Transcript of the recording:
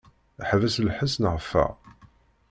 Ḥbes lḥess neɣ ffeɣ.